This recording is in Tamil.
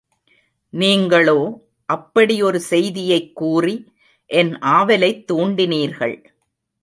நீங்களோ அப்படி ஒரு செய்தியைக்கூறி என் ஆவலைத் தூண்டினீர்கள்.